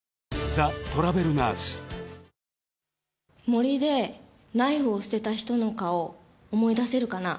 森でナイフを捨てた人の顔思い出せるかな？